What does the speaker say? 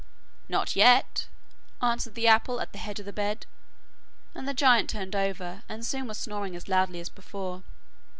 'Not yet,' answered the apple at the head of the bed, and the giant turned over, and soon was snoring as loudly as before.